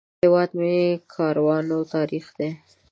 هیواد مې د کاروانو تاریخ دی